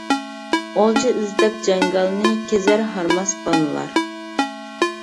ئولجا ئىزدەپ جاڭگالنى، كېزەر ھارماس بالىلار.